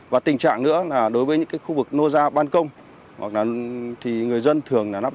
và tình trạng nữa là đối với những cái khu vực nô ra ban công hoặc là thì người dân thường là nắp